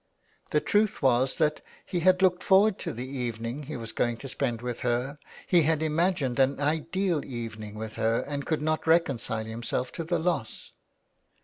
The truth was that he had looked forward to the evening he was going to spend with her, he had imagined an ideal evening with her and could not reconcile himself to the loss.